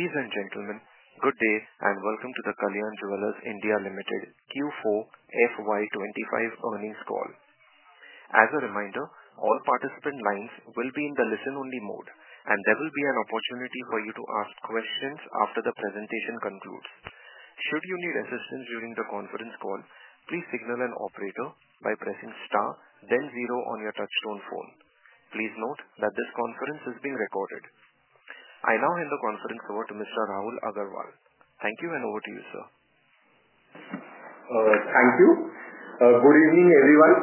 Ladies and gentlemen, good day and welcome to the Kalyan Jewellers India Limited Q4 FY 2025 earnings call. As a reminder, all participant lines will be in the listen-only mode, and there will be an opportunity for you to ask questions after the presentation concludes. Should you need assistance during the conference call, please signal an operator by pressing star, then zero on your touchstone phone. Please note that this conference is being recorded. I now hand the conference over to Mr. Rahul Agarwal. Thank you, and over to you, sir. Thank you. Good evening, everyone,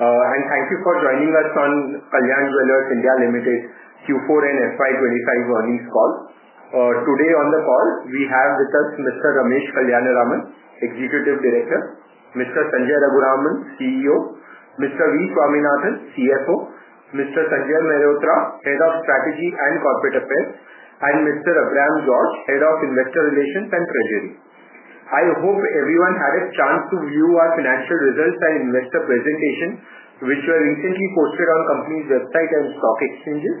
and thank you for joining us on Kalyan Jewellers India Limited Q4 and FY 2025 earnings call. Today on the call, we have with us Mr. Ramesh Kalyanaraman, Executive Director, Mr. Sanjay Raghuraman, CEO, Mr. V. Swaminathan, CFO, Mr. Sanjay Mehrotra, Head of Strategy and Corporate Affairs, and Mr. Abraham George, Head of Investor Relations and Treasury. I hope everyone had a chance to view our financial results and investor presentation, which were recently posted on the company's website and stock exchanges.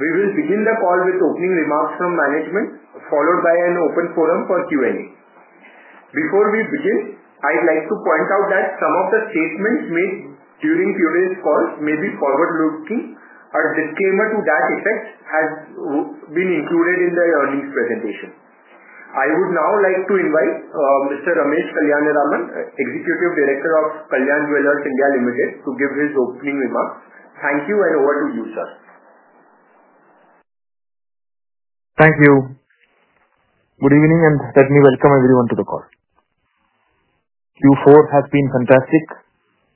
We will begin the call with opening remarks from management, followed by an open forum for Q&A. Before we begin, I'd like to point out that some of the statements made during today's call may be forward-looking. A disclaimer to that effect has been included in the earnings presentation. I would now like to invite Mr. Ramesh Kalyanaraman, Executive Director of Kalyan Jewellers India Limited, to give his opening remarks. Thank you, and over to you, sir. Thank you. Good evening, and let me welcome everyone to the call. Q4 has been fantastic.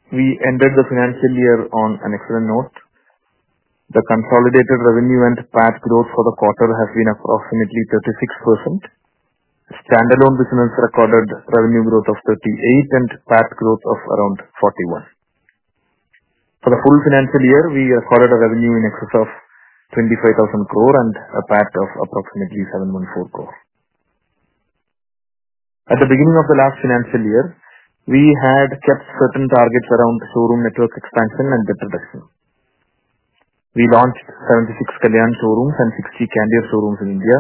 We ended the financial year on an excellent note. The consolidated revenue and PAT growth for the quarter has been approximately 36%. Stand-alone business recorded revenue growth of 38% and PAT growth of around 41%. For the full financial year, we recorded a revenue in excess of 25,000 crore and a PAT of approximately 714 crore. At the beginning of the last financial year, we had kept certain targets around showroom network expansion and debt reduction. We launched 76 Kalyan showrooms and 60 Candere showrooms in India,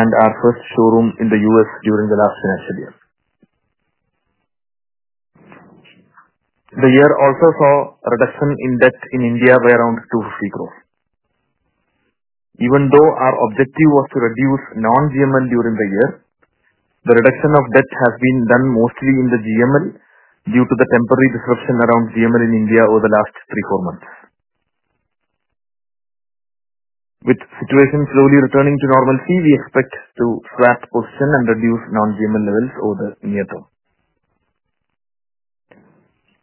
and our first showroom in the U.S. during the last financial year. The year also saw a reduction in debt in India by around 250 crore. Even though our objective was to reduce non-GML during the year, the reduction of debt has been done mostly in the GML due to the temporary disruption around GML in India over the last three to four months. With the situation slowly returning to normality, we expect to swap positions and reduce non-GML levels over the near term.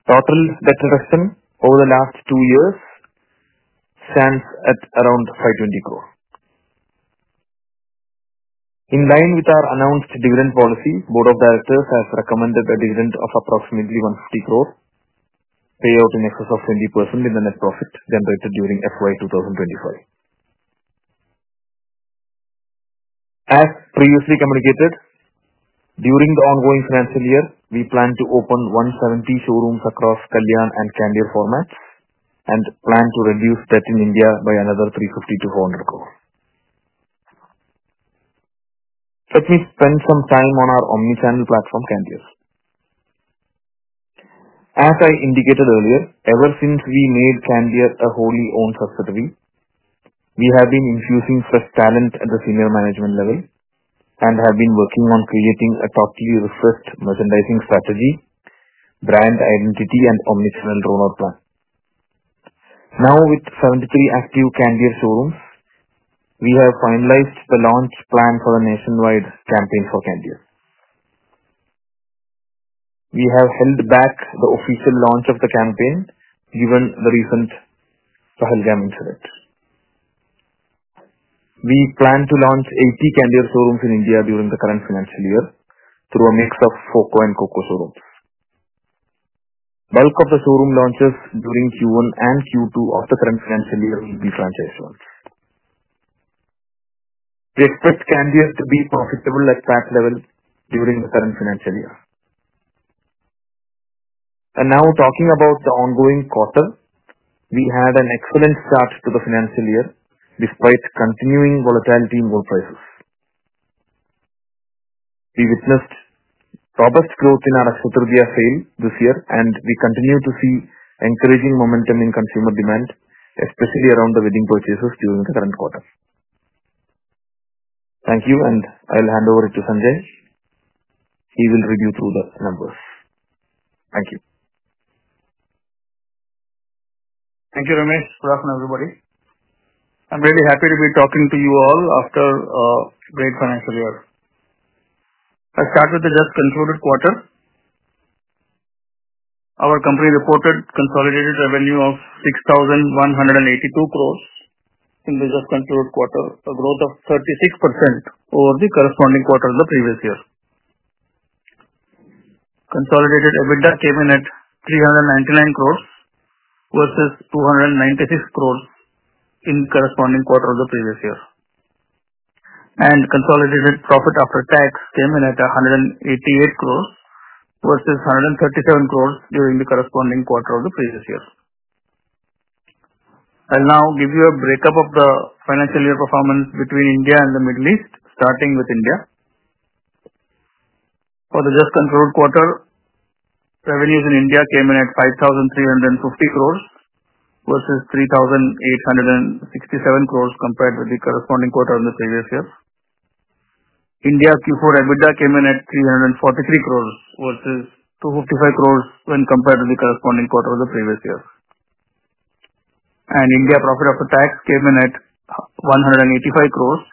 Total debt reduction over the last two years stands at around 520 crore. In line with our announced dividend policy, the Board of Directors has recommended a dividend of approximately 150 crore, payout in excess of 20% in the net profit generated during FY 2025. As previously communicated, during the ongoing financial year, we plan to open 170 showrooms across Kalyan and Candere formats and plan to reduce debt in India by another 350-400 crore. Let me spend some time on our omnichannel platform, Candere. As I indicated earlier, ever since we made Candere a wholly-owned subsidiary, we have been infusing fresh talent at the senior management level and have been working on creating a totally refreshed merchandising strategy, brand identity, and omnichannel rollout plan. Now, with 73 active Candere showrooms, we have finalized the launch plan for the nationwide campaign for Candere. We have held back the official launch of the campaign given the recent Pahalgam incident. We plan to launch 80 Candere showrooms in India during the current financial year through a mix of FOCO and COCO showrooms. The bulk of the showroom launches during Q1 and Q2 of the current financial year will be franchise showrooms. We expect Candere to be profitable at PAT level during the current financial year. Now, talking about the ongoing quarter, we had an excellent start to the financial year despite continuing volatility in gold prices. We witnessed robust growth in our Akshaya Tritiya sale this year, and we continue to see encouraging momentum in consumer demand, especially around the wedding purchases during the current quarter. Thank you, and I'll hand over to Sanjay. He will read you through the numbers. Thank you. Thank you, Ramesh. Good afternoon, everybody. I'm really happy to be talking to you all after a great financial year. Let's start with the just concluded quarter. Our company reported consolidated revenue of 6,182 crore in the just concluded quarter, a growth of 36% over the corresponding quarter of the previous year. Consolidated EBITDA came in at 399 crore versus 296 crore in the corresponding quarter of the previous year. Consolidated profit after tax came in at 188 crore versus 137 crore during the corresponding quarter of the previous year. I'll now give you a breakup of the financial year performance between India and the Middle East, starting with India. For the just concluded quarter, revenues in India came in at 5,350 crore versus 3,867 crore compared with the corresponding quarter of the previous year. India Q4 EBITDA came in at 343 crores versus 255 crores when compared with the corresponding quarter of the previous year. India profit after tax came in at 185 crores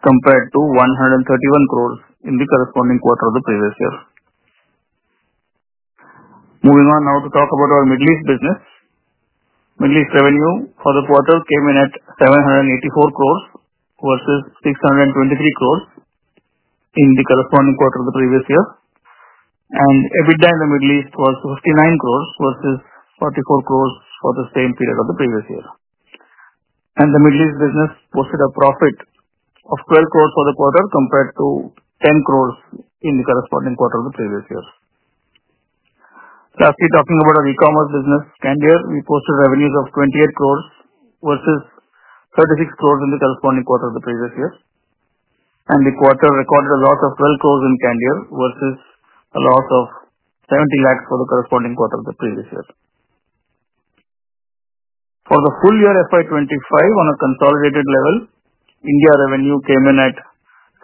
compared to 131 crores in the corresponding quarter of the previous year. Moving on now to talk about our Middle East business. Middle East revenue for the quarter came in at 784 crores versus 623 crores in the corresponding quarter of the previous year. EBITDA in the Middle East was 59 crores versus 44 crores for the same period of the previous year. The Middle East business posted a profit of 12 crores for the quarter compared to 10 crores in the corresponding quarter of the previous year. Lastly, talking about our e-commerce business, Candere, we posted revenues of 28 crores versus 36 crores in the corresponding quarter of the previous year. The quarter recorded a loss of 12 crore in Candere versus a loss of 70 lakhs for the corresponding quarter of the previous year. For the full year 2025, on a consolidated level, India revenue came in at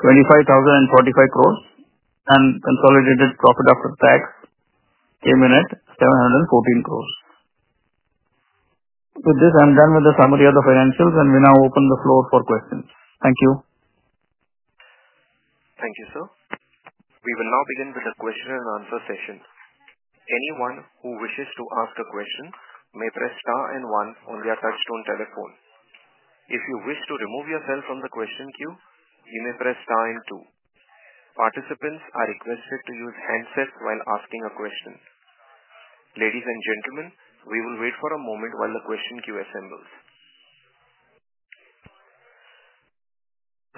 25,045 crore, and consolidated profit after tax came in at 714 crore. With this, I'm done with the summary of the financials, and we now open the floor for questions. Thank you. Thank you, sir. We will now begin with the question-and-answer session. Anyone who wishes to ask a question may press star and one on their touchstone telephone. If you wish to remove yourself from the question queue, you may press star and two. Participants are requested to use handsets while asking a question. Ladies and gentlemen, we will wait for a moment while the question queue assembles.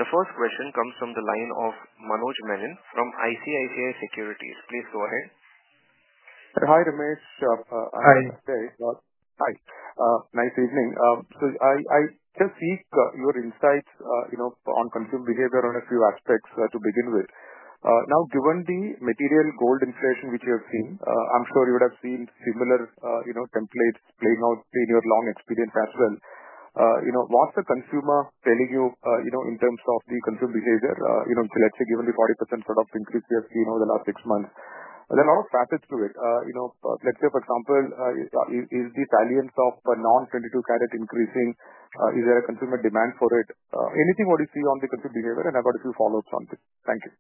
The first question comes from the line of Manoj Menon from ICICI Securities. Please go ahead. Hi, Ramesh. Hi. Nice evening. I just seek your insights on consumer behavior on a few aspects to begin with. Now, given the material gold inflation which you have seen, I'm sure you would have seen similar templates playing out in your long experience as well. What's the consumer telling you in terms of the consumer behavior? Let's say, given the 40% sort of increase we have seen over the last six months, there are a lot of facets to it. Let's say, for example, is the salience of a non-22-karat increasing? Is there a consumer demand for it? Anything you see on the consumer behavior, and I've got a few follow-ups on this. Thank you.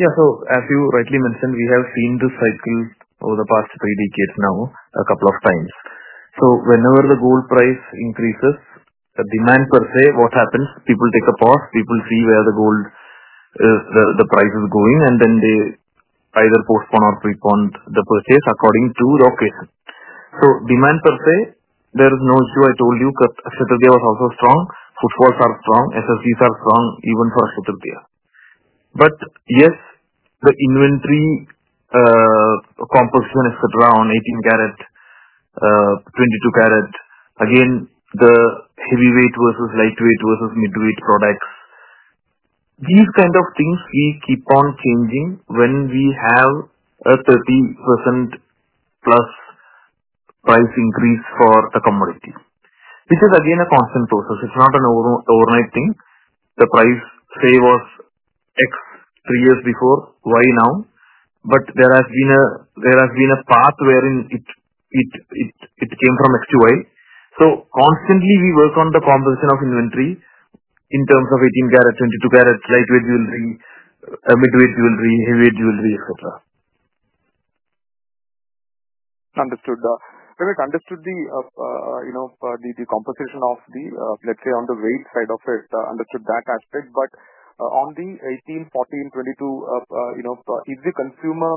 Yeah, as you rightly mentioned, we have seen this cycle over the past three decades now a couple of times. Whenever the gold price increases, demand per se, what happens? People take a pause. People see where the gold price is going, and then they either postpone or prepone the purchase according to the occasion. Demand per se, there is no issue. I told you Akshaya Tritiya was also strong. Footfalls are strong. SSGs are strong even for Akshaya Tritiya. Yes, the inventory composition, etc., on 18-karat, 22-karat, again, the heavyweight versus lightweight versus midweight products, these kinds of things we keep on changing when we have a 30%+ price increase for a commodity, which is again a constant process. It is not an overnight thing. The price, say, was X three years before, Y now, but there has been a path wherein it came from X to Y. Constantly we work on the composition of inventory in terms of 18-karat, 22-karat, lightweight jewelry, midweight jewelry, heavyweight jewelry, etc. Understood. Ramesh, understood the composition of the, let's say, on the weight side of it, understood that aspect. But on the 18, 14, 22, is the consumer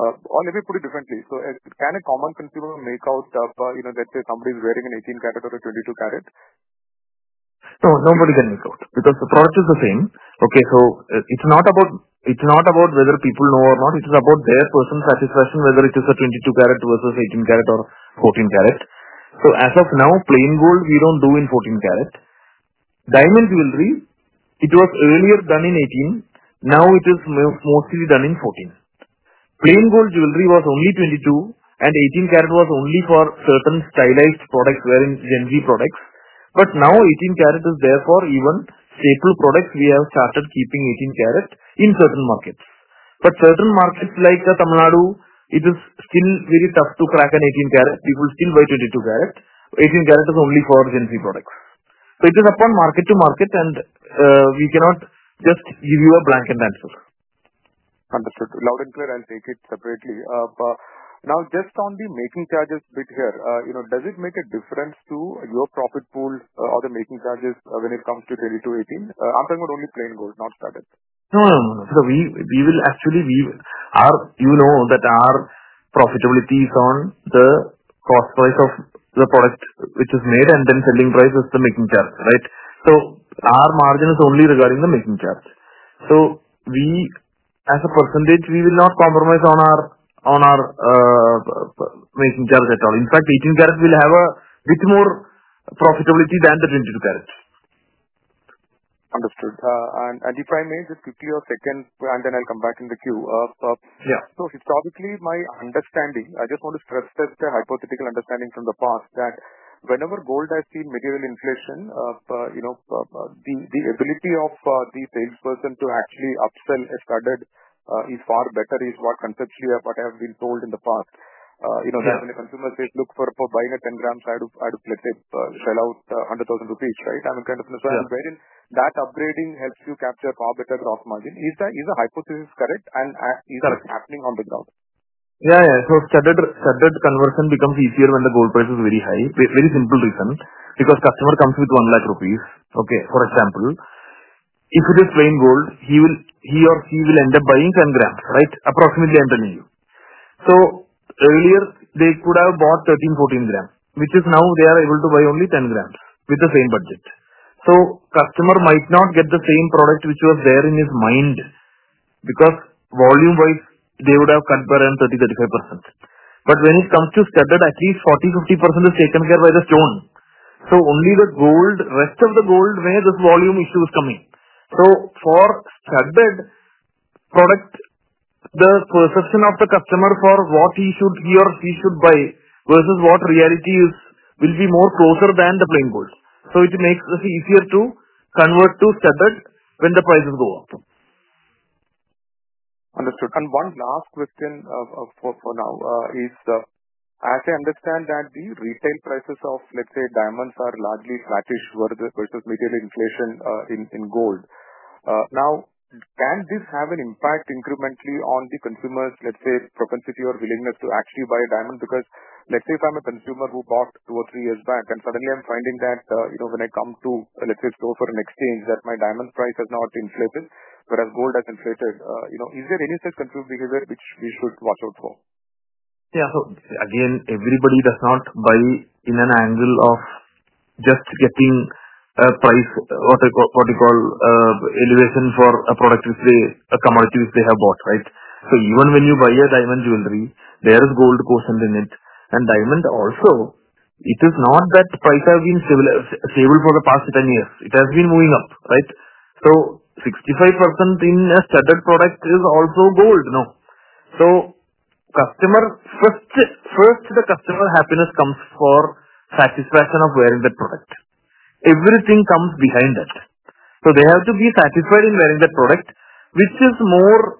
or let me put it differently. Can a common consumer make out, let's say, somebody's wearing an 18-karat or a 22-karat? No, nobody can make out because the product is the same. Okay, so it's not about whether people know or not. It is about their personal satisfaction, whether it is a 22-karat versus 18-karat or 14-karat. As of now, plain gold we do not do in 14-karat. Diamond jewelry, it was earlier done in 18. Now it is mostly done in 14. Plain gold jewelry was only 22, and 18-karat was only for certain stylized products wherein Gen Z products. Now 18-karat is there for even staple products. We have started keeping 18-karat in certain markets. Certain markets like Tamil Nadu, it is still very tough to crack an 18-karat. People still buy 22-karat. 18-karat is only for Gen Z products. It is upon market to market, and we cannot just give you a blanket answer. Understood. Loud and clear, I'll take it separately. Now, just on the making charges bit here, does it make a difference to your profit pool or the making charges when it comes to 22, 18? I'm talking about only plain gold, not karat. No, no, no. We will actually, you know, our profitability is on the cost price of the product which is made, and then selling price is the making charge, right? Our margin is only regarding the making charge. As a percentage, we will not compromise on our making charge at all. In fact, 18-karat will have a bit more profitability than the 22-karat. Understood. If I may just quickly a second, and then I'll come back in the queue. Yeah. Historically, my understanding, I just want to stress that hypothetical understanding from the past that whenever gold has seen material inflation, the ability of the salesperson to actually upsell a studded is far better is what conceptually what I have been told in the past. That when a consumer says, "Look, for buying a 10-gram side, I'd, let's say, shell out 100,000 rupees," right? I'm kind of in a situation wherein that upgrading helps you capture far better gross margin. Is the hypothesis correct, and is it happening on the ground? Yeah, yeah. Studded conversion becomes easier when the gold price is very high. Very simple reason. Because customer comes with 1 lakh rupees, okay, for example, if it is plain gold, he or she will end up buying 10 grams, right? Approximately, I'm telling you. Earlier, they could have bought 13 g-14 g, which is now they are able to buy only 10 g with the same budget. Customer might not get the same product which was there in his mind because volume-wise, they would have cut by around 30%-35%. When it comes to studded, at least 40%-50% is taken care of by the stone. Only the gold, rest of the gold where this volume issue is coming. For studded product, the perception of the customer for what he or she should buy versus what reality is will be more closer than the plain gold. It makes us easier to convert to studded when the prices go up. Understood. One last question for now is, as I understand that the retail prices of, let's say, diamonds are largely flattish versus material inflation in gold. Now, can this have an impact incrementally on the consumer's, let's say, propensity or willingness to actually buy a diamond? Because let's say if I'm a consumer who bought two or three years back, and suddenly I'm finding that when I come to, let's say, store for an exchange, that my diamond price has not inflated, whereas gold has inflated. Is there any such consumer behavior which we should watch out for? Yeah. Again, everybody does not buy in an angle of just getting a price, what you call, elevation for a product which they, a commodity which they have bought, right? Even when you buy a diamond jewelry, there is gold quotient in it. And diamond also, it is not that price has been stable for the past 10 years. It has been moving up, right? 65% in a studded product is also gold, no? First, the customer happiness comes for satisfaction of wearing that product. Everything comes behind that. They have to be satisfied in wearing that product, which is more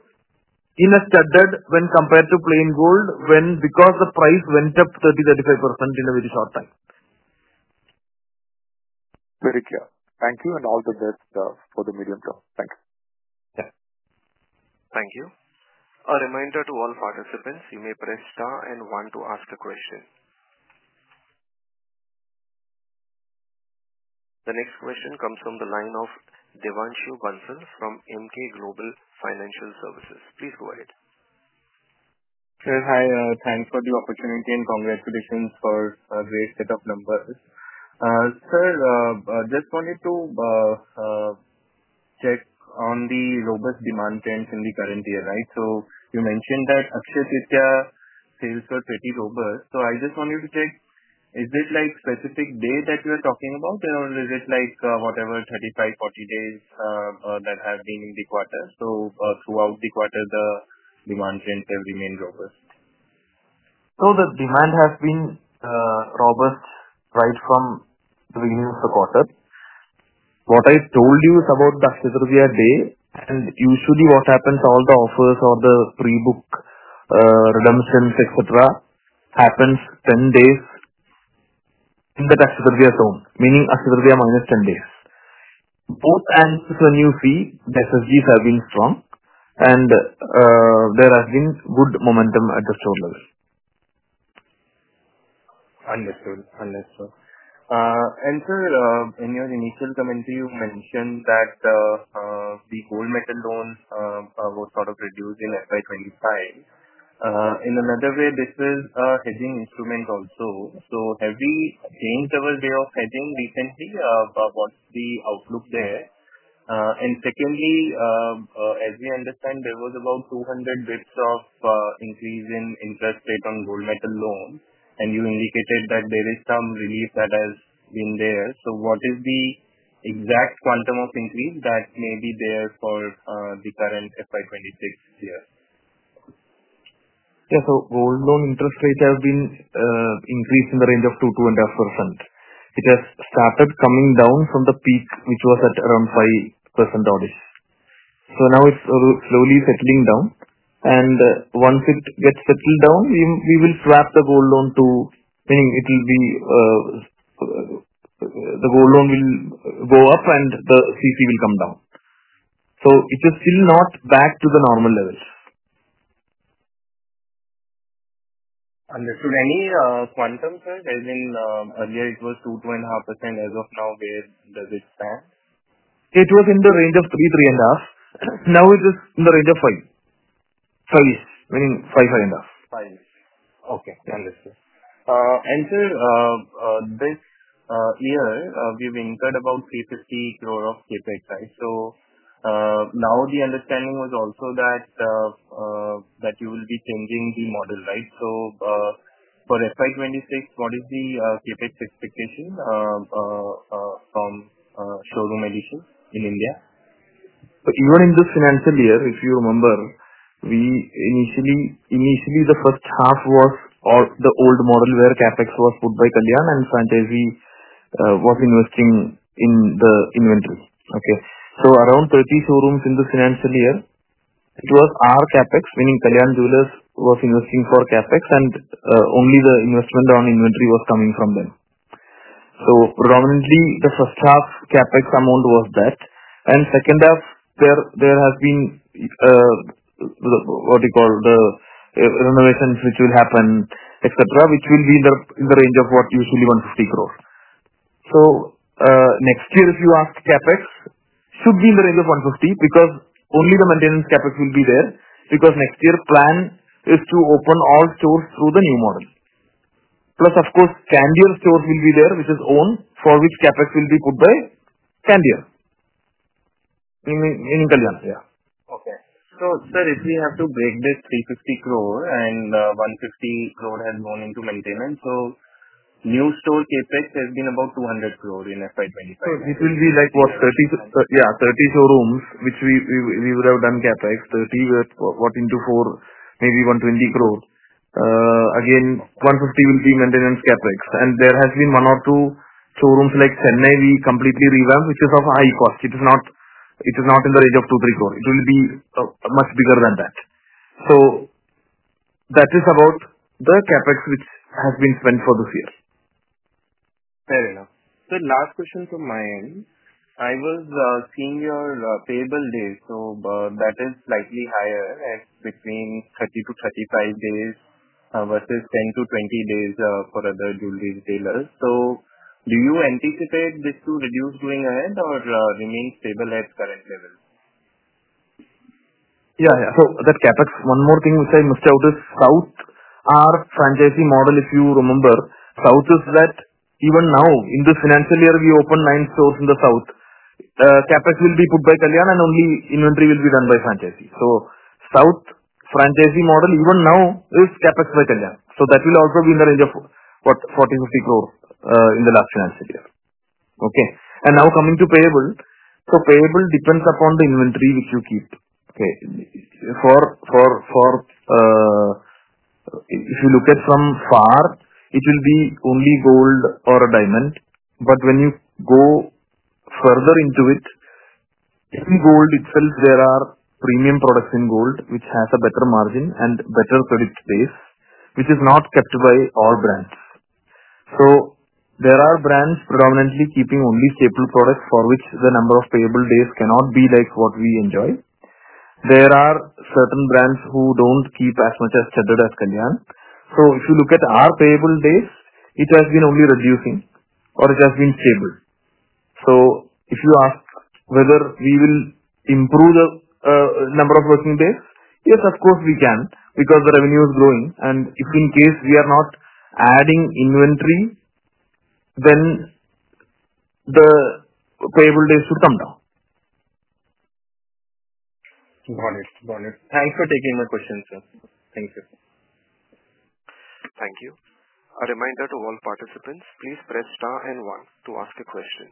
in a studded when compared to plain gold because the price went up 30%-35% in a very short time. Very clear. Thank you, and all the best for the medium term. Thank you. Yeah. Thank you. A reminder to all participants, you may press star and one to ask a question. The next question comes from the line of Devanshu Bansal from Emkay Global Financial Services. Please go ahead. Sir, hi. Thanks for the opportunity and congratulations for a great set of numbers. Sir, just wanted to check on the robust demand trends in the current year, right? You mentioned that Akshatridya sales were pretty robust. I just wanted to check, is it a specific day that you are talking about, or is it whatever, 35-40 days that have been in the quarter? Throughout the quarter, have the demand trends remained robust? The demand has been robust right from the beginning of the quarter. What I told you is about the Akshaya Tritiya day, and usually what happens, all the offers or the pre-book redemptions, etc., happen 10 days in the Akshaya Tritiya zone, meaning Akshaya Tritiya minus 10 days. Both hands when you see, the SSGs have been strong, and there has been good momentum at the store level. Understood. Understood. Sir, in your initial comment, you mentioned that the gold metal loan was sort of reduced in FY 2025. In another way, this is a hedging instrument also. Have we changed our way of hedging recently? What is the outlook there? Secondly, as we understand, there was about 200 basis points of increase in interest rate on gold metal loan, and you indicated that there is some relief that has been there. What is the exact quantum of increase that may be there for the current FY 2026 year? Yeah. Gold loan interest rates have been increased in the range of 2%-2.5%. It has started coming down from the peak, which was at around 5% oddish. Now it is slowly settling down. Once it gets settled down, we will swap the gold loan to, meaning the gold loan will go up and the CC will come down. It is still not back to the normal levels. Understood. Any quantum, sir? As in earlier, it was 2%-2.5%. As of now, where does it stand? It was in the range of 3-3.5. Now it is in the range of 5. 5-ish, meaning 5-5.5. 5-ish. Okay. Understood. Sir, this year, we have inked about 350 crore of CapEx, right? The understanding was also that you will be changing the model, right? For FY 2026, what is the CapEx expectation from showroom additions in India? Even in this financial year, if you remember, initially, the first half was the old model where CapEx was put by Kalyan and Fantasy was investing in the inventory. Okay? Around 30 showrooms in this financial year, it was our CapEx, meaning Kalyan Jewellers was investing for CapEx, and only the investment on inventory was coming from them. Predominantly, the first half CapEx amount was that. In the second half, there has been what you call the renovations which will happen, etc., which will be in the range of what usually 150 crore. Next year, if you ask, CapEx should be in the range of 150 crore because only the maintenance CapEx will be there because next year plan is to open all stores through the new model. Plus, of course, Candere stores will be there, which is owned for which CapEx will be put by Candere, meaning Kalyan. Yeah. Okay. So sir, if we have to break this 350 crore and 150 crore has gone into maintenance, so new store Capex has been about 200 crore in FY 2025. It will be like what? Yeah, 30 showrooms which we would have done CapEx, 30, what, into 4, maybe 120 crore. Again, 150 crore will be maintenance CapEx. There has been one or two showrooms like Chennai we completely revamped, which is of a high cost. It is not in the range of 2 crore-3 crore. It will be much bigger than that. That is about the CapEx which has been spent for this year. Fair enough. Last question from my end. I was seeing your payable days, so that is slightly higher at between 30-35 days versus 10-20 days for other jewelry retailers. Do you anticipate this to reduce going ahead or remain stable at current level? Yeah, yeah. That CapEx, one more thing which I missed out is south, our franchisee model, if you remember, south is that even now, in this financial year, we opened nine stores in the south. CapEx will be put by Kalyan, and only inventory will be done by franchisee. South franchisee model, even now, is CapEx by Kalyan. That will also be in the range of INR 40 crore-INR 50 crore in the last financial year. Okay? Now coming to payable, payable depends upon the inventory which you keep. If you look at from far, it will be only gold or a diamond. When you go further into it, in gold itself, there are premium products in gold which have a better margin and better credit base, which is not kept by all brands. There are brands predominantly keeping only staple products for which the number of payable days cannot be like what we enjoy. There are certain brands who do not keep as much as studded as Kalyan. If you look at our payable days, it has been only reducing or it has been stable. If you ask whether we will improve the number of working days, yes, of course we can because the revenue is growing. If in case we are not adding inventory, then the payable days should come down. Got it. Got it. Thanks for taking my question, sir. Thank you. Thank you. A reminder to all participants, please press star and one to ask a question.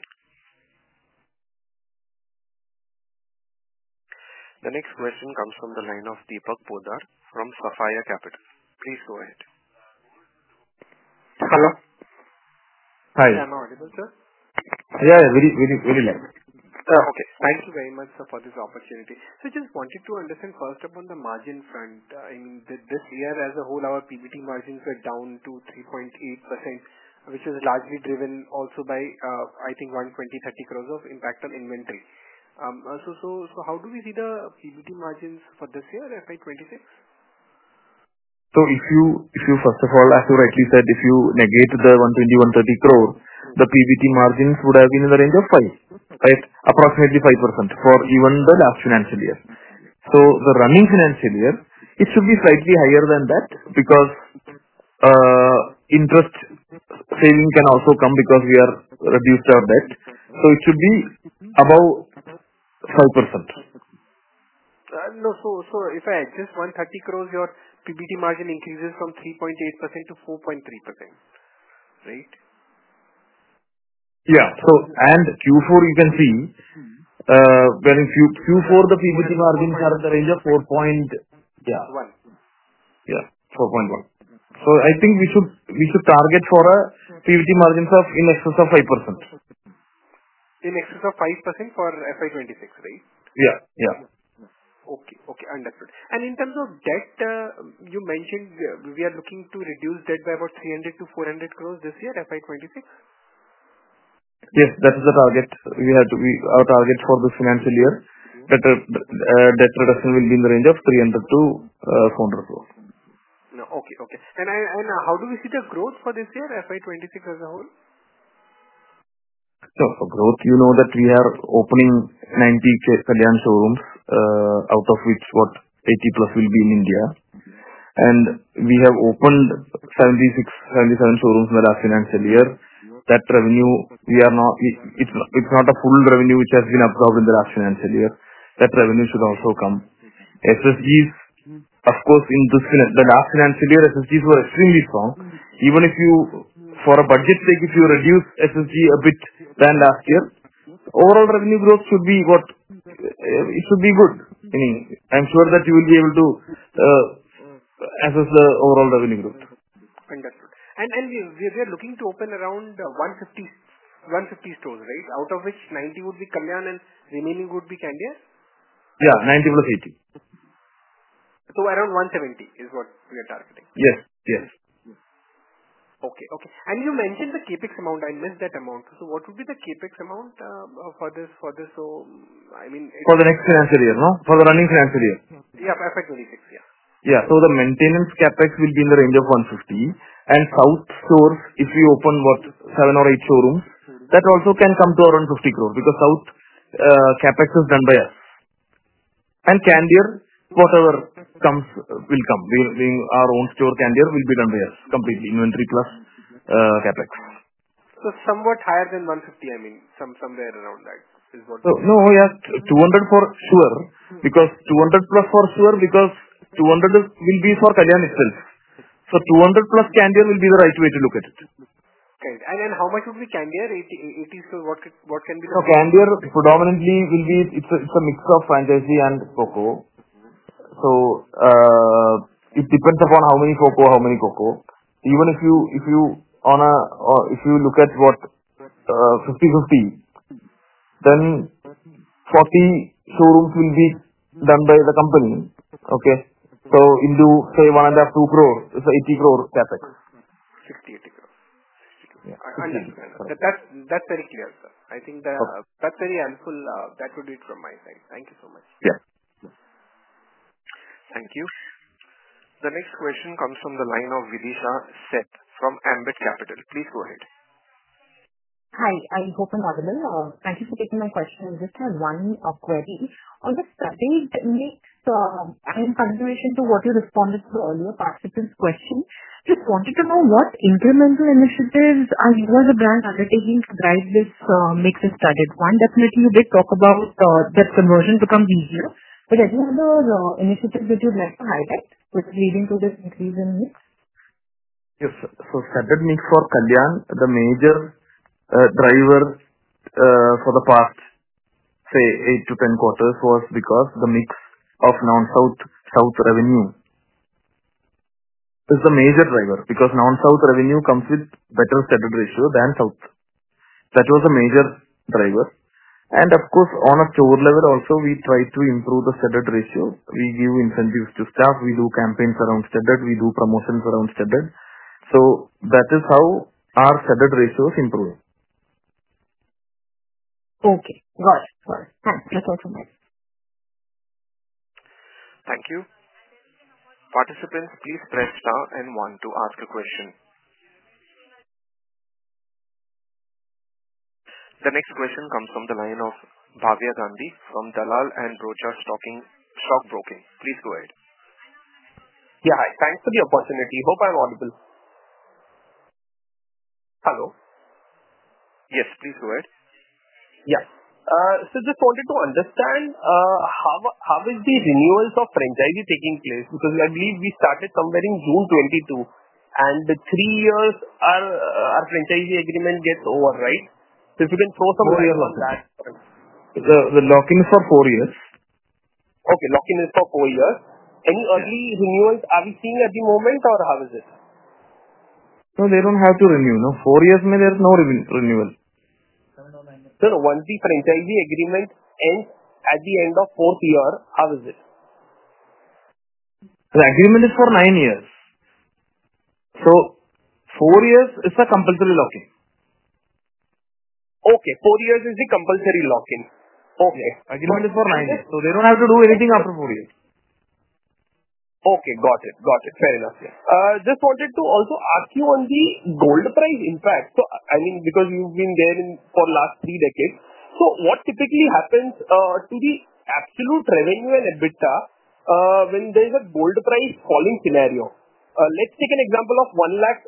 The next question comes from the line of Deepak Poddar from Sapphire Capital. Please go ahead. Hello? Hi. Am I audible, sir? Yeah, yeah. Very, very light. Okay. Thank you very much, sir, for this opportunity. I just wanted to understand first about the margin front. I mean, this year as a whole, our PBT margins were down to 3.8%, which is largely driven also by, I think, 120 crore-130 crore of impact on inventory. How do we see the PBT margins for this year, FY 2026? If you, first of all, as you rightly said, if you negate the 120 crore-130 crore, the PBT margins would have been in the range of 5%, right? Approximately 5% for even the last financial year. The running financial year, it should be slightly higher than that because interest saving can also come because we have reduced our debt. It should be about 5%. If I adjust 130 crore, your PBT margin increases from 3.8% to 4.3%, right? Yeah. In Q4, you can see, when in Q4, the PBT margins are in the range of 4. Yeah. One. Yeah. 4.1. So I think we should target for a PBT margins of in excess of 5%. In excess of 5% for FY 2026, right? Yeah. Yeah. Okay. Okay. Understood. In terms of debt, you mentioned we are looking to reduce debt by about 300 crore-400 crore this year, FY 2026? Yes. That is the target. Our target for this financial year, debt reduction will be in the range of 300 crore-400 crore. Okay. Okay. How do we see the growth for this year, FY 2026 as a whole? For growth, you know that we are opening 90 Kalyan showrooms, out of which, what, 80 plus will be in India. We have opened 76, 77 showrooms in the last financial year. That revenue, we are not, it's not a full revenue which has been absorbed in the last financial year. That revenue should also come. SSGs, of course, in the last financial year, SSGs were extremely strong. Even if you, for a budget sake, if you reduce SSG a bit than last year, overall revenue growth should be, what, it should be good. Meaning I'm sure that you will be able to assess the overall revenue growth. Understood. We are looking to open around 150 stores, right? Out of which, 90 would be Kalyan and remaining would be Candere? Yeah. 90 plus 80. Around 170 is what we are targeting. Yes. Yes. Okay. Okay. You mentioned the CapEx amount. I missed that amount. What would be the CapEx amount for this? I mean. For the next financial year, no? For the running financial year. Yeah. FY 2026, yeah. Yeah. The maintenance CapEx will be in the range of 150 crore. South stores, if we open, what, seven or eight showrooms, that also can come to around 50 crore because south CapEx is done by us. And Candere, whatever comes, will come. Our own store, Candere, will be done by us completely, inventory plus CapEx. Somewhat higher than 150, I mean, somewhere around that is what you said. No. Yeah. 200 for sure because 200 plus for sure because 200 will be for Kalyan itself. So 200 plus Candere will be the right way to look at it. Okay. And how much would be Candere? 80 stores, what can be the? Candere predominantly will be, it's a mix of franchisee and COCO. It depends upon how many COCO, how many COCO. Even if you look at, what, 50/50, then 40 showrooms will be done by the company. Okay? Into, say, 102 core, it's 80 crore CapEx. 60 crore. INR 80 crore. Understood. That's very clear, sir. I think that's very helpful. That would be it from my side. Thank you so much. Yeah. Thank you. The next question comes from the line of Videesha Sheth from Ambit Capital. Please go ahead. Hi. I hope I'm audible. Thank you for taking my question. I just have one query. In continuation to what you responded to earlier, participants' question, just wanted to know what incremental initiatives are you as a brand undertaking to drive this mix and studded? One, definitely, you did talk about that conversion becomes easier. Any other initiatives that you'd like to highlight with leading to this increase in mix? Yes. Studded mix for Kalyan, the major driver for the past, say, 8-10 quarters, was because the mix of non-south, south revenue is the major driver because non-south revenue comes with better studded ratio than south. That was a major driver. Of course, on a store level also, we try to improve the studded ratio. We give incentives to staff. We do campaigns around studded. We do promotions around studded. That is how our studded ratios improve. Okay. Got it. Got it. Thanks. That's all from my end. Thank you. Participants, please press star and one to ask a question. The next question comes from the line of Bhavya Gandhi from Dalal and Broacha Stock Broking. Please go ahead. Yeah. Hi. Thanks for the opportunity. Hope I'm audible. Hello? Yes. Please go ahead. Yeah. So just wanted to understand how is the renewals of franchisee taking place because I believe we started somewhere in June 2022, and the three years our franchisee agreement gets over, right? If you can throw some words on that. Four years. The lock-in is for four years. Okay. Lock-in is for four years. Any early renewals are we seeing at the moment, or how is it? No, they don't have to renew. No. Four years, there is no renewal. No, no. One thing. Franchisee agreement ends at the end of fourth year. How is it? The agreement is for nine years. Four years is a compulsory lock-in. Okay. Four years is the compulsory lock-in. Okay. Agreement is for nine years. They don't have to do anything after four years. Okay. Got it. Got it. Fair enough. Just wanted to also ask you on the gold price impact. I mean, because you have been there for the last three decades, what typically happens to the absolute revenue and EBITDA when there is a gold price falling scenario? Let's take an example of 1 lakhs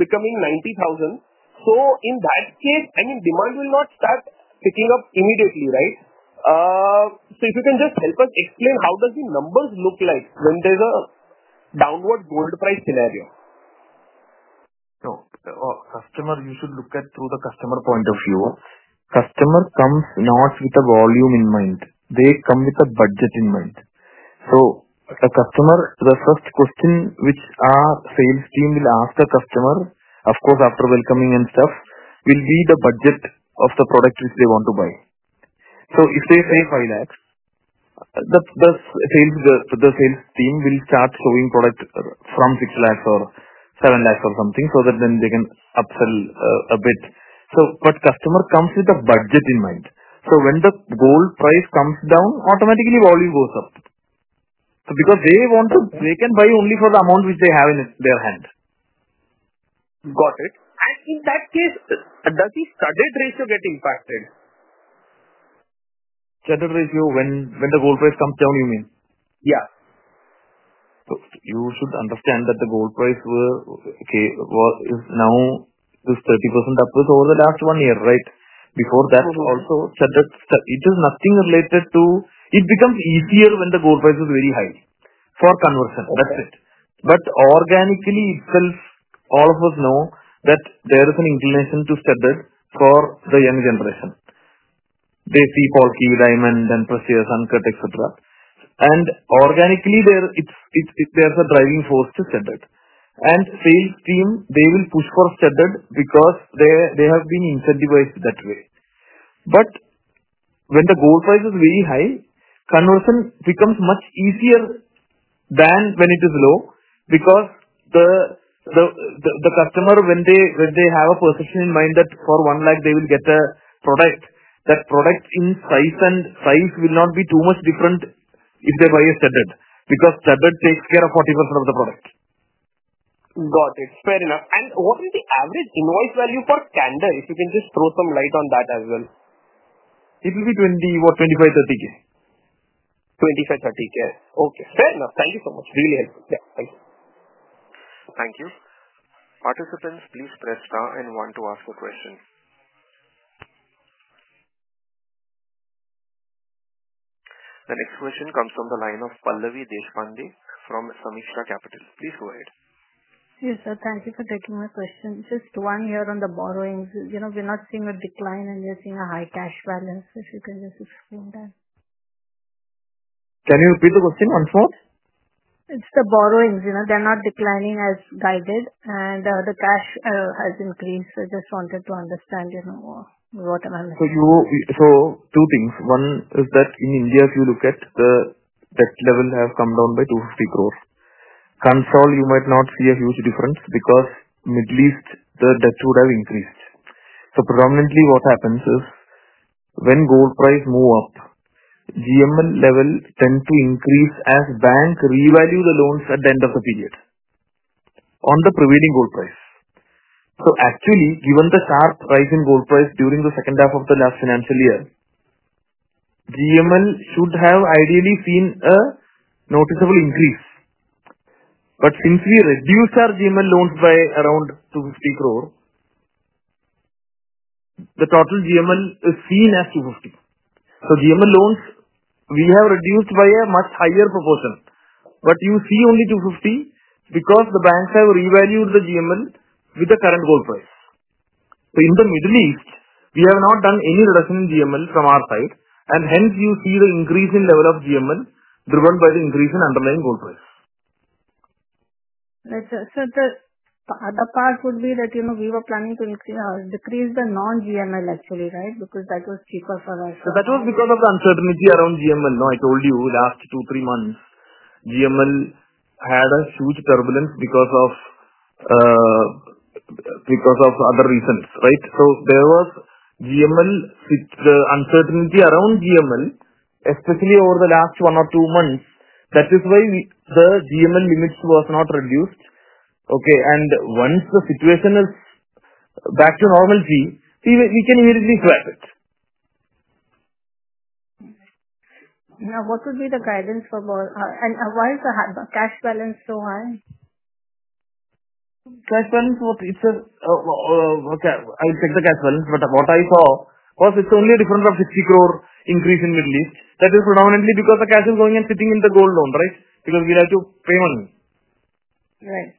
becoming 90,000. In that case, I mean, demand will not start picking up immediately, right? If you can just help us explain how the numbers look like when there is a downward gold price scenario. No. Customer, you should look at through the customer point of view. Customer comes not with a volume in mind. They come with a budget in mind. So the customer, the first question which our sales team will ask a customer, of course, after welcoming and stuff, will be the budget of the product which they want to buy. If they say 5 lakhs, the sales team will start showing product from 6 lakhs or 7 lakhs or something so that then they can upsell a bit. Customer comes with a budget in mind. When the gold price comes down, automatically volume goes up. Because they want to, they can buy only for the amount which they have in their hand. Got it. In that case, does the studded ratio get impacted? Studded ratio when the gold price comes down, you mean? Yeah. You should understand that the gold price is now 30% upwards over the last one year, right? Before that, also, studded, it is nothing related to it becomes easier when the gold price is very high for conversion. That's it. Organically, itself, all of us know that there is an inclination to studded for the young generation. They see Polki, diamond, and precious, uncut, etc. Organically, there's a driving force to studded. Sales team, they will push for studded because they have been incentivized that way. When the gold price is very high, conversion becomes much easier than when it is low because the customer, when they have a perception in mind that for 1 lakhs, they will get a product, that product in size and price will not be too much different if they buy a studded because studded takes care of 40% of the product. Got it. Fair enough. What is the average invoice value for Candere, if you can just throw some light on that as well? It will be 20,000, what, 25,000, 30,000. 25,000, 30,000. Okay. Fair enough. Thank you so much. Really helpful. Yeah. Thank you. Thank you. Participants, please press star and one to ask a question. The next question comes from the line of Pallavi Deshpande from Sameeksha Capital. Please go ahead. Yes, sir. Thank you for taking my question. Just one here on the borrowings. We're not seeing a decline, and we're seeing a high cash balance. If you can just explain that. Can you repeat the question once more? It's the borrowings. They're not declining as guided, and the cash has increased. I just wanted to understand what am I missing. Two things. One is that in India, if you look at the debt level, it has come down by 250 crore. On a consolidated basis, you might not see a huge difference because in the Middle East, the debt would have increased. Predominantly, what happens is when gold price moves up, GML levels tend to increase as banks revalue the loans at the end of the period on the prevailing gold price. Actually, given the sharp rise in gold price during the second half of the last financial year, GML should have ideally seen a noticeable increase. Since we reduced our GML loans by around 250 crore, the total GML is seen as 250 crore. GML loans we have reduced by a much higher proportion, but you see only 250 crore because the banks have revalued the GML with the current gold price. In the Middle East, we have not done any reduction in GML from our side. Hence, you see the increase in level of GML driven by the increase in underlying gold price. Right. The part would be that we were planning to decrease the non-GML, actually, right, because that was cheaper for us. That was because of the uncertainty around GML. No, I told you last two, three months, GML had a huge turbulence because of other reasons, right? There was GML uncertainty around GML, especially over the last one or two months. That is why the GML limits was not reduced. Okay. Once the situation is back to normality, we can immediately swap it. Now, what would be the guidance for gold? Why is the cash balance so high? Cash balance, what it's a okay. I'll check the cash balance. What I saw was it's only a difference of 60 crore increase in Middle East. That is predominantly because the cash is going and sitting in the gold loan, right, because we like to pay money. Right.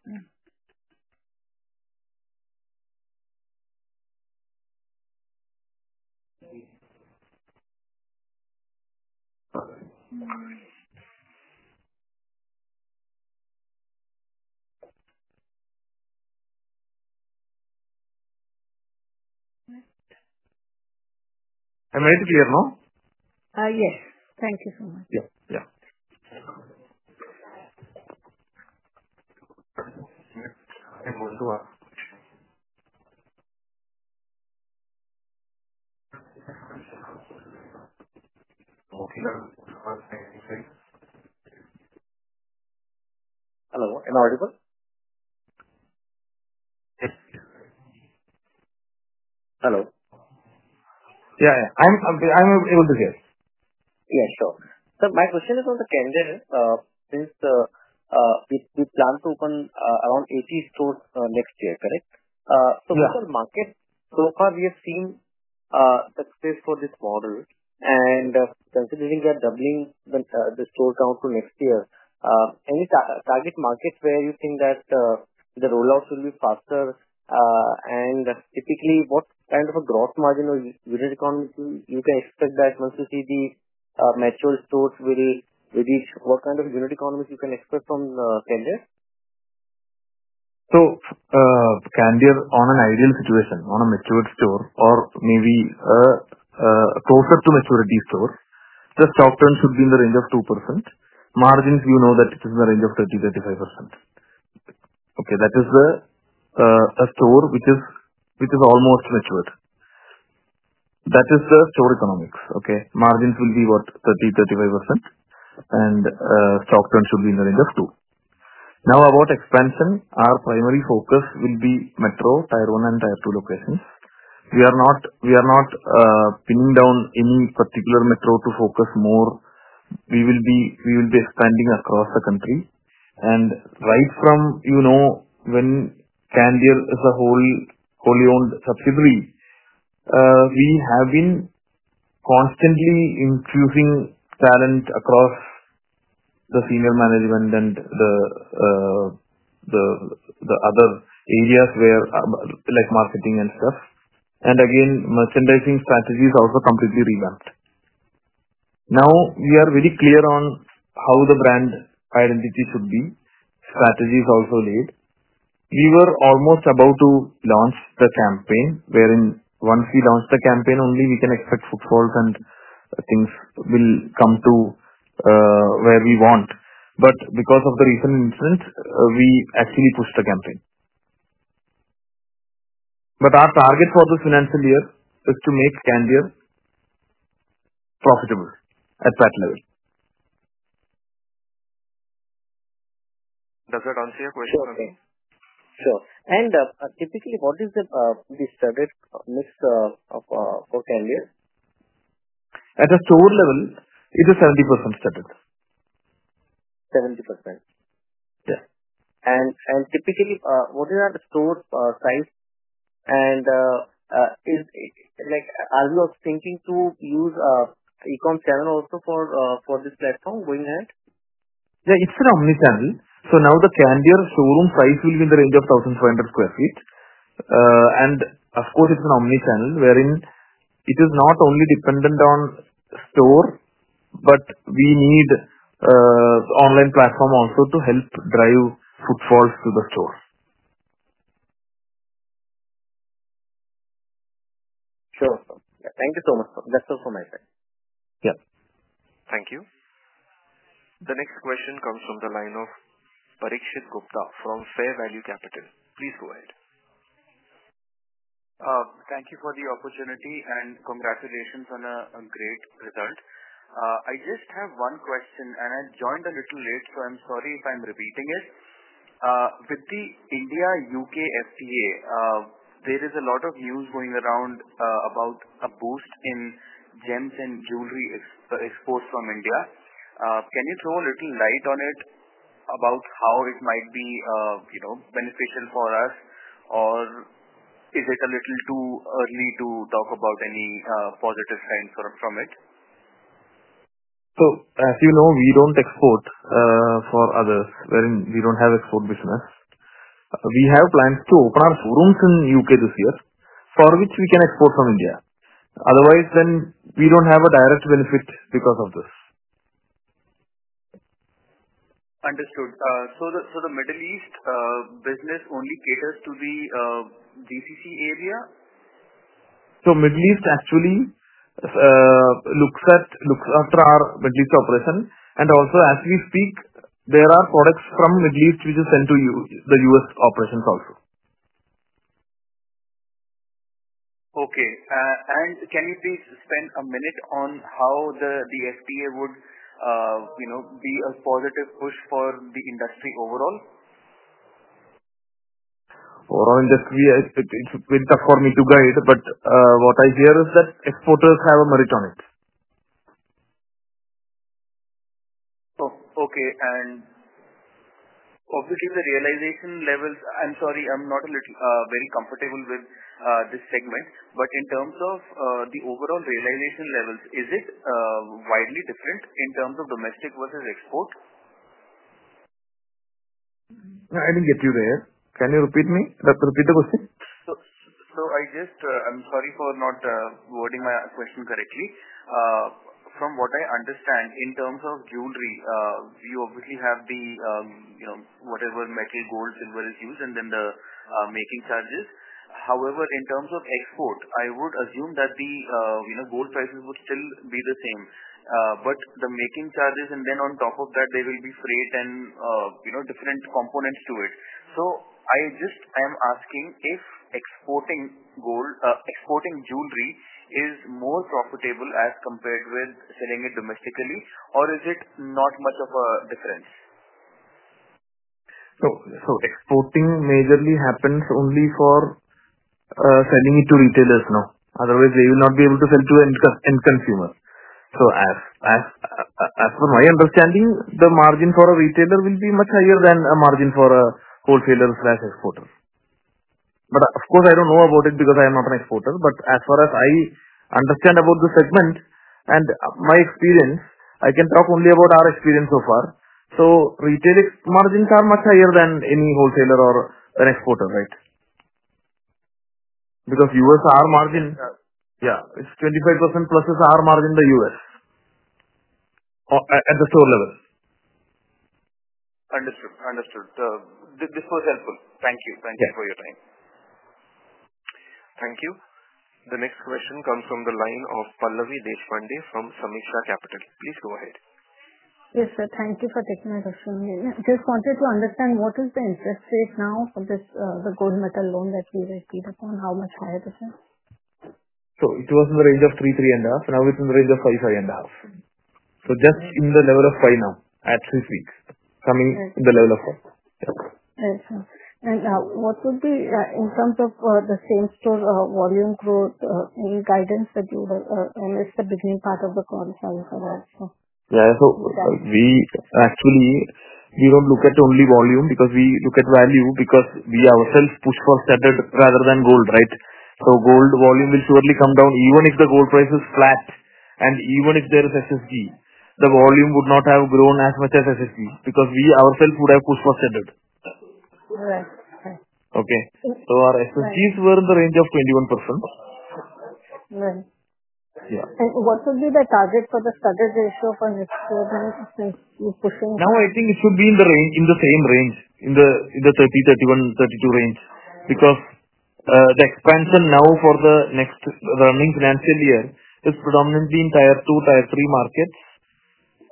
Am I clear now? Yes. Thank you so much. Yeah. Yeah. I'm going to ask. Okay. Hello. Am I audible? Yes. Hello? Yeah. Yeah. I'm able to hear. Yeah. Sure. So my question is on the Candere. Since we plan to open around 80 stores next year, correct? Yes. What are the markets? So far, we have seen success for this model. Considering you are doubling the store count to next year, any target markets where you think that the rollout will be faster? Typically, what kind of a gross margin or unit economy can you expect that once you see the mature stores will reach? What kind of unit economy can you expect from Candere? Candere, in an ideal situation, on a matured store or maybe a closer to maturity store, the stock turn should be in the range of 2%. Margins, you know that it is in the range of 30%-35%. Okay. That is a store which is almost matured. That is the store economics. Okay. Margins will be, what, 30%-35%? And stock turn should be in the range of 2%. Now, about expansion, our primary focus will be metro, tier one, and tier two locations. We are not pinning down any particular metro to focus more. We will be expanding across the country. Right from when Candere is a wholly-owned subsidiary, we have been constantly infusing talent across the senior management and the other areas like marketing and stuff. Again, merchandising strategy is also completely revamped. Now, we are very clear on how the brand identity should be. Strategy is also laid. We were almost about to launch the campaign, wherein once we launch the campaign, only we can expect footfalls and things will come to where we want. However, because of the recent incidents, we actually pushed the campaign. Our target for this financial year is to make Candere profitable at that level. Does that answer your question? Sure. Sure. And typically, what is the studded mix for Candere? At a store level, it is 70% studded. 70%. Yeah. What is our store size typically? Are you thinking to use e-com channel also for this platform going ahead? Yeah. It's an omnichannel. Now the Candere showroom size will be in the range of 1,500 sq ft. Of course, it's an omnichannel, wherein it is not only dependent on store, but we need an online platform also to help drive footfalls to the store. Sure. Thank you so much, sir. That's all from my side. Yeah. Thank you. The next question comes from the line of Parikshit Gupta from Fair Value Capital. Please go ahead. Thank you for the opportunity and congratulations on a great result. I just have one question, and I joined a little late, so I'm sorry if I'm repeating it. With the India-U.K. FTA, there is a lot of news going around about a boost in gems and jewelry exports from India. Can you throw a little light on it about how it might be beneficial for us, or is it a little too early to talk about any positive signs from it? As you know, we do not export for others, wherein we do not have export business. We have plans to open our showrooms in the U.K. this year for which we can export from India. Otherwise, we do not have a direct benefit because of this. Understood. So the Middle East business only caters to the GCC area? Middle East actually looks after our Middle East operation. Also, as we speak, there are products from Middle East which are sent to the U.S. operations also. Okay. Can you please spend a minute on how the FTA would be a positive push for the industry overall? Overall industry, it's a bit tough for me to guide, but what I hear is that exporters have a merit on it. Oh, okay. Obviously, the realization levels—I'm sorry, I'm not very comfortable with this segment—but in terms of the overall realization levels, is it widely different in terms of domestic versus export? I didn't get you there. Can you repeat? Repeat the question. I'm sorry for not wording my question correctly. From what I understand, in terms of jewelry, you obviously have the whatever metal, gold, silver is used, and then the making charges. However, in terms of export, I would assume that the gold prices would still be the same. The making charges, and then on top of that, there will be freight and different components to it. I just am asking if exporting jewelry is more profitable as compared with selling it domestically, or is it not much of a difference? Exporting majorly happens only for selling it to retailers now. Otherwise, they will not be able to sell to end consumer. As per my understanding, the margin for a retailer will be much higher than a margin for a wholesaler or exporter. Of course, I do not know about it because I am not an exporter. As far as I understand about the segment and my experience, I can talk only about our experience so far. Retail margins are much higher than any wholesaler or an exporter, right? Because U.S., our margin—yeah, it is 25% plus our margin in the U.S. at the store level. Understood. Understood. This was helpful. Thank you. Thank you for your time. Thank you. The next question comes from the line of Pallavi Deshpande from Sameeksha Capital. Please go ahead. Yes, sir. Thank you for taking my question. Just wanted to understand what is the interest rate now for the gold metal loan that we repeat upon, how much higher it is? It was in the range of 3-3.5. Now it's in the range of 5-5.5. Just in the level of 5 now at six weeks, coming in the level of 5. Right. What would be in terms of the same store volume growth, any guidance that you would—and it's the beginning part of the call if I may have asked? Yeah. So actually, we do not look at only volume because we look at value because we ourselves push for studded rather than gold, right? So gold volume will surely come down even if the gold price is flat. And even if there is SSG, the volume would not have grown as much as SSG because we ourselves would have pushed for studded. Right. Right. Okay. So our SSGs were in the range of 21%. Right. What would be the target for the studded ratio for next year when you're pushing? Now, I think it should be in the same range, in the 30-31-32 range because the expansion now for the next running financial year is predominantly in tier two, tier three markets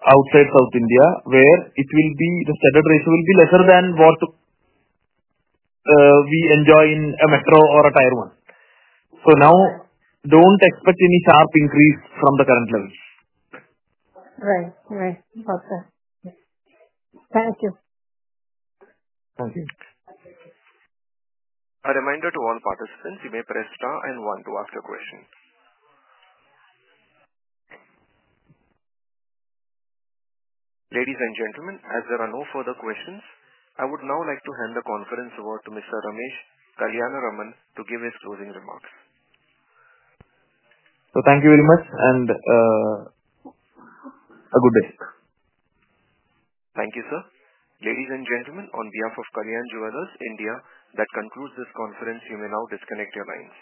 outside South India, where it will be the studded ratio will be lesser than what we enjoy in a metro or a tier one. Do not expect any sharp increase from the current levels. Right. Right. Okay. Thank you. Thank you. A reminder to all participants, you may press star and one to ask a question. Ladies and gentlemen, as there are no further questions, I would now like to hand the conference over to Mr. Ramesh Kalyanaraman to give his closing remarks. Thank you very much and a good day. Thank you, sir. Ladies and gentlemen, on behalf of Kalyan Jewellers India, that concludes this conference. You may now disconnect your lines.